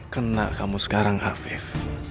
kena kamu sekarang hafif